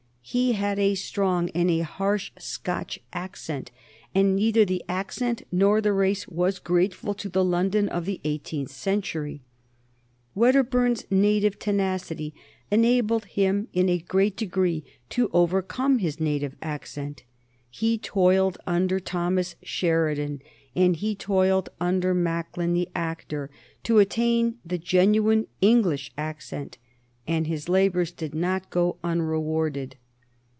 He had a strong and a harsh Scotch accent, and neither the accent nor the race was grateful to the London of the eighteenth century. Wedderburn's native tenacity enabled him in a great degree to overcome his native accent. He toiled under Thomas Sheridan and he toiled under Macklin the actor to attain the genuine English accent, and his labors did not go unrewarded.